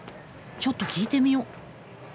ちょっと聞いてみよう。